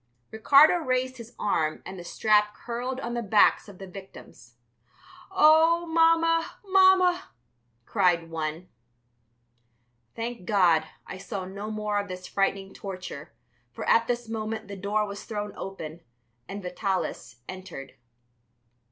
Ricardo raised his arm and the strap curled on the backs of the victims. "Oh, Mamma, Mamma," cried one. Thank God, I saw no more of this frightful torture, for at this moment the door was thrown open and Vitalis entered.